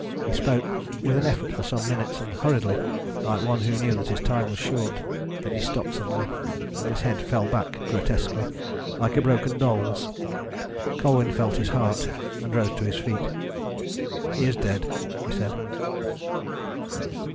He spoke with an effort for some minutes, and hurriedly, like one who knew that his time was short. Then he stopped suddenly, and his head fell back grotesquely, like a broken doll's. Colwyn felt his heart, and rose to his feet. "He is dead," he said.